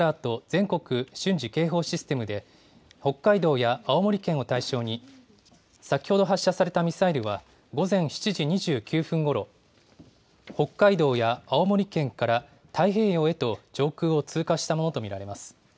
・全国瞬時警報システムで北海道や青森県を対象に、先ほど発射されたミサイルは、午前７時２９分ごろ、北海道や青森県から太平洋へと上空を通過したものと見られます。